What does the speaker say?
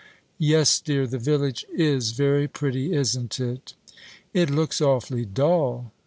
"Yes, dear, the village is very pretty, isn't it?" "It looks awfully dull!"